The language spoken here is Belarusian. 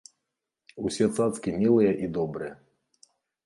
Усе цацкі мілыя і добрыя.